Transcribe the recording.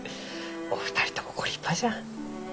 お二人ともご立派じゃ。